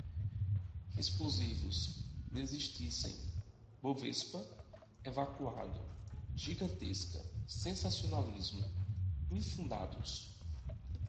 explosivos, desistissem, bovespa, evacuado, gigantesca, sensacionalismo, infundados